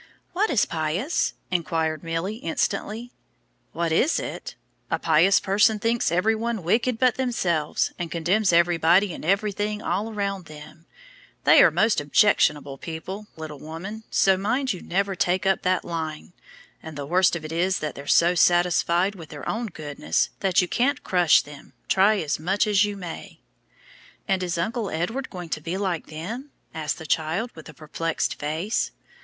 "What is pious?" inquired Milly, instantly. "What is it? A pious person thinks every one wicked but themselves, and condemns everybody and everything all round them. They are most objectionable people, little woman, so mind you never take up that line, and the worst of it is that they're so satisfied with their own goodness, that you can't crush them, try as much as you may." "And is Uncle Edward going to be like them?" asked the child, with a perplexed face.